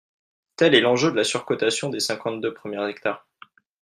Tel est l’enjeu de la surcotation des cinquante-deux premiers hectares